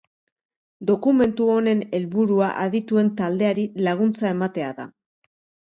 Dokumentu honen helburua adituen taldeari laguntza ematea da.